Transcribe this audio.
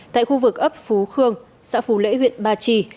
tại khu vực ấp phú khương xã phú lễ huyện ba trì